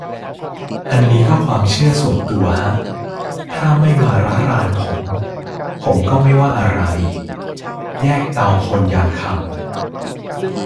อันนี้ก็ความเชื่อส่วนตัวฮะ ถ้าไม่มาระรานผม ผมก็ไม่ว่าอะไร แยกเตาโพนยางคำ